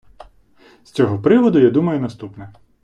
З цього приводу я думаю наступне.